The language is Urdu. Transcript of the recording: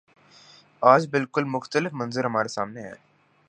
آج بالکل مختلف منظر ہمارے سامنے ہے۔